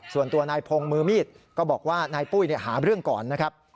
ส่วนตัวนายพงศ์มือมีดก็บอกว่านายปุ้ยหาเรื่องก่อนนะครับ